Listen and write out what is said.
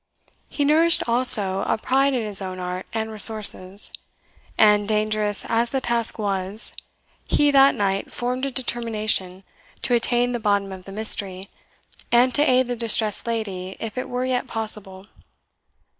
He nourished also a pride in his own art and resources; and, dangerous as the task was, he that night formed a determination to attain the bottom of the mystery, and to aid the distressed lady, if it were yet possible.